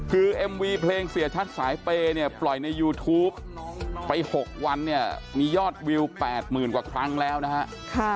คือเอ็มวีเพลงเสียชัดสายเปย์เนี่ยปล่อยในยูทูปไป๖วันเนี่ยมียอดวิว๘๐๐๐กว่าครั้งแล้วนะฮะ